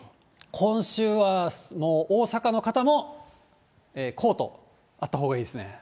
今週はもう、大阪の方もコートあったほうがいいですね。